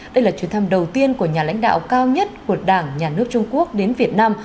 đây là chuyến thăm đầu tiên của nhà lãnh đạo cao nhất của đảng nhà nước trung quốc đến việt nam